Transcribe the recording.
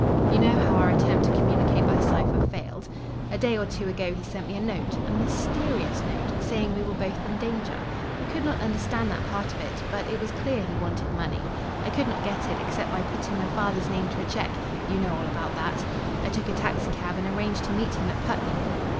You know how our attempt to communicate by cipher failed. "A day or two ago he sent me a note a mysterious note saying we were both in danger. I could not understand that part of it, but it was clear he wanted money. I could not get it except by putting my father's name to a cheque. You know all about that. I took a taxicab and arranged to meet him at Putney."